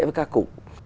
với các cụ